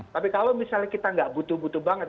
tapi kalau misalnya kita nggak butuh butuh banget